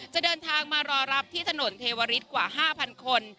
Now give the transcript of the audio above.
จะเดินทางมารอรับที่ถนนเทวริสกว่า๕๐๐คน